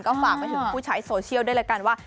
ก็ฝากไปถึงผู้ใช้โซเชียลด้วยแล้วกันว่า